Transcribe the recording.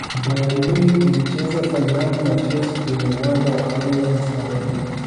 bayern munich ilicheza fainali na Chelsea kwenye uwanja allianz arena